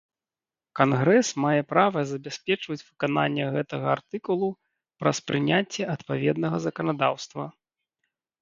Кангрэс мае права забяспечваць выкананне гэтага артыкулу праз прыняцце адпаведнага заканадаўства.